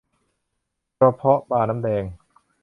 กระเพาะปลาน้ำแดง